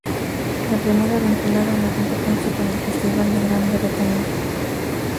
La primera vinculada a la competencia con el Festival de Gran Bretaña.